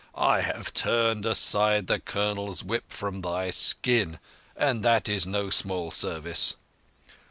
I have turned aside the Colonel's whip from thy skin, and that is no small service."